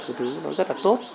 cái thứ nó rất là tốt